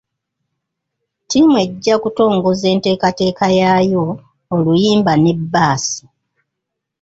Ttiimu ejja kutongoza enteekateeka yaayo, oluyimba ne bbaasi.